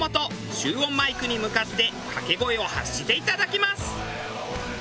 集音マイクに向かってかけ声を発して頂きます。